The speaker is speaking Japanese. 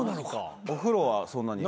お風呂はそんなに。